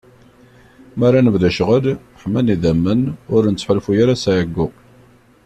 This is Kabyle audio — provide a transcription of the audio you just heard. Mi ara nebdu ccɣel, ḥman idammen, ur nettḥulfu ara s ɛeggu.